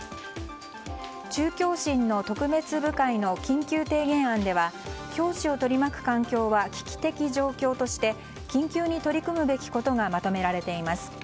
中教審の特別部会の緊急提言案では教師を取り巻く環境は危機的状況として緊急に取り組むべきことがまとめられています。